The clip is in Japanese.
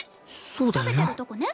食べてるとこね。